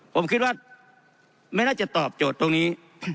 ผมคิดว่าไม่น่าจะตอบโจทย์ตรงนี้